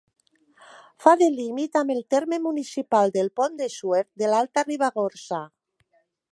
Fa de límit amb el terme municipal del Pont de Suert, de l'Alta Ribagorça.